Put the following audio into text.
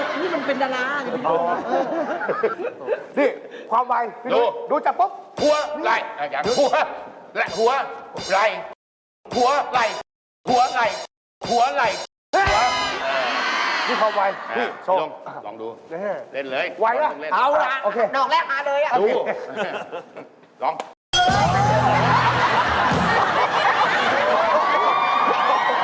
โอ้โฮโอ้โฮโอ้โฮโอ้โฮโอ้โฮโอ้โฮโอ้โฮโอ้โฮโอ้โฮโอ้โฮโอ้โฮโอ้โฮโอ้โฮโอ้โฮโอ้โฮโอ้โฮโอ้โฮโอ้โฮโอ้โฮโอ้โฮโอ้โฮโอ้โฮโอ้โฮโอ้โฮโอ้โฮโอ้โฮโอ้โฮโอ้โฮโอ้โฮโอ้โฮโอ้โฮโอ้โ